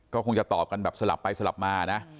ก็คงจะตอบกันแบบสลับไปสลับมานะ